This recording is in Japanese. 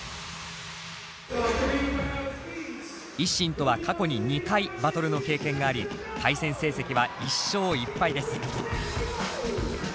ＩＳＳＩＮとは過去に２回バトルの経験があり対戦成績は１勝１敗です。